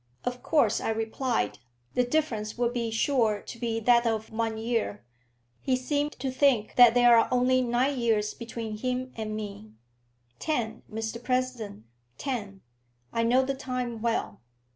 "Of course," I replied, "the difference would be sure to be that of one year. He seems to think that there are only nine years between him and me." "Ten, Mr President; ten. I know the time well."